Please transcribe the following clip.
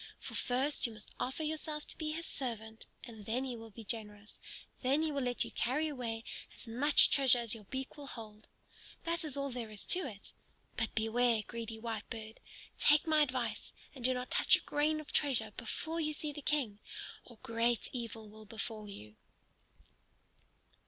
For first you must offer yourself to be his servant, and then he will be generous; then he will let you carry away as much treasure as your beak will hold. That is all there is to it. But beware, greedy Whitebird! Take my advice, and do not touch a grain of treasure before you see the King, or great evil will befall you."